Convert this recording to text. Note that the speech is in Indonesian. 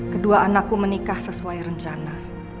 kedua anakku menikah sesuai rencana